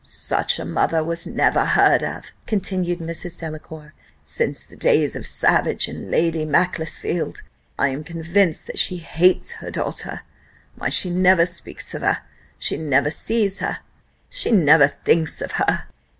"Such a mother was never heard of," continued Mrs. Delacour, "since the days of Savage and Lady Macclesfield. I am convinced that she hates her daughter. Why she never speaks of her she never sees her she never thinks of her!"